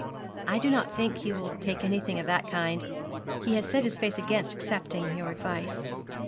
'I do not think he will take anything of that kind. He has set his face against accepting your advice.'